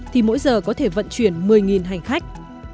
thì mỗi giờ có thể vận chuyển một mươi hành khách